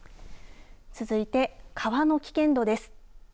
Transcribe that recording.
続いて、川の危険度です。